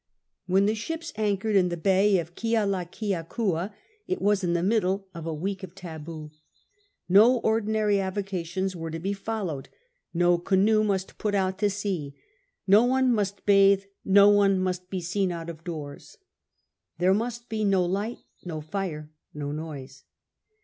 When the ships anchored in the Bay of Kealakeakua it was in the middle of a week of Utbih. No ordinary avocations were to be followed, no canoe must put out to sea, no one must bathe, no one must be seen out of doors. There must be no light, no fire, no noise.